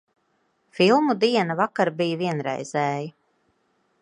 Filmu diena vakar bija vienreizēja.